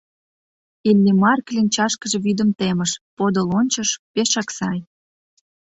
Иллимар кленчашкыже вӱдым темыш, подыл ончыш — пешак сай.